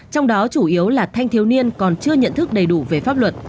trong đó chủ yếu là thanh thiếu niên còn chưa nhận thức đầy đủ về pháp luật